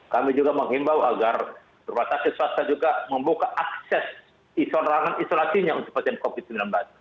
kami juga menghimbau agar rumah sakit swasta juga membuka akses isolasinya untuk pasien covid sembilan belas